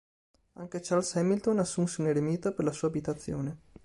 Anche Charles Hamilton assunse un eremita per la sua abitazione.